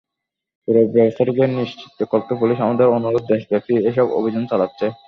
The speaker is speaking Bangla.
পুরো ব্যবস্থাটিকে নিশ্ছিদ্র করতেই পুলিশ আমাদের অনুরোধে দেশব্যাপী এসব অভিযান চালাচ্ছে।